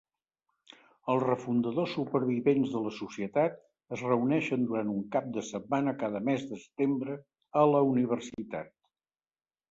Els "refundadors" supervivents de la societat es reuneixen durant un cap de setmana cada mes de setembre a la Universitat.